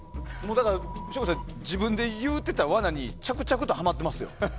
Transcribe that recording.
省吾さん、自分が言うてた罠に着々とはまってますよ。